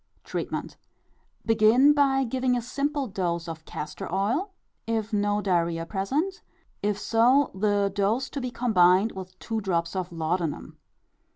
Treatment. Begin by giving a simple dose of castor oil, if no diarrhœa present; if so, the dose to be combined with two drops of laudanum.